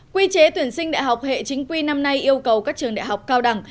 quy chế tuyển sinh đại học hệ chính quy năm nay yêu cầu các trường đại học cao đẳng